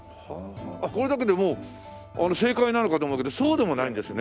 これだけでもう正解なのかと思うけどそうでもないんですね。